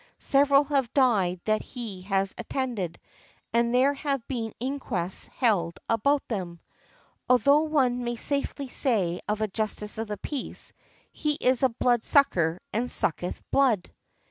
Several have died that he had attended, and there have been inquests held upon them" . Although one may safely say of a Justice of the Peace, "He is a blood sucker, and sucketh blood."